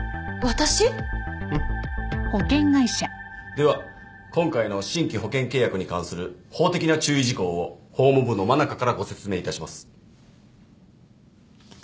では今回の新規保険契約に関する法的な注意事項を法務部の真中からご説明いたします。